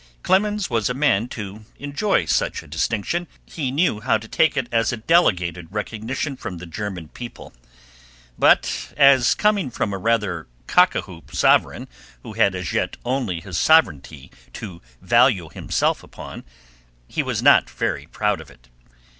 Clemens was a man to enjoy such a distinction; he knew how to take it as a delegated recognition from the German people; but as coming from a rather cockahoop sovereign who had as yet only his sovereignty to value himself upon, he was not very proud of it.